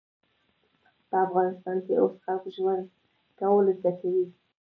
په افغانستان کې اوس خلک ژوند کول زده کوي